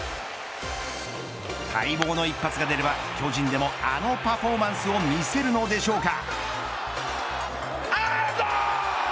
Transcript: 待望の一発が出れば、巨人でもあのパフォーマンスを見せるのでしょうか。